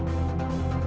aku mau ke rumah